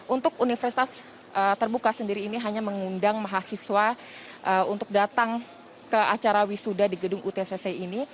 untuk universitas terbuka sendiri ini hanya mengundang mahasiswa untuk datang ke acara wisuda di gedung utcc ini